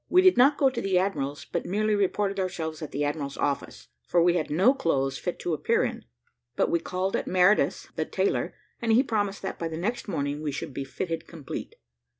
We did not go to the admiral's but merely reported ourselves at the admiral's office; for we had no clothes fit to appear in. But we called at Meredith the tailor's, and he promised that, by the next morning, we should be fitted complete.